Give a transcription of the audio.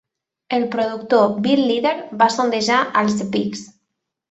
El productor Bill Leader va sondejar als The Peggs.